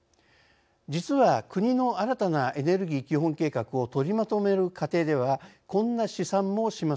実は国の新たなエネルギー基本計画を取りまとめる過程ではこんな試算も示されていました。